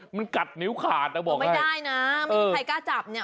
มันกัดนิ้วขาดนะบอกไม่ได้นะไม่มีใครกล้าจับเนี่ย